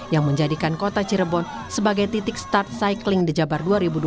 yang menjadikan kota cirebon sebagai titik start cycling di jabar dua ribu dua puluh